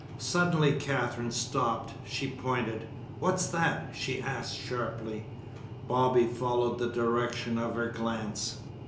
Suddenly Katherine stopped. She pointed. "What's that?" she asked sharply. Bobby followed the direction of her glance.